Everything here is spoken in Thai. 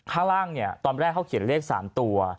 ข้างล่างเนี่ยตอนแรกเขาเขียนเลข๓ตัว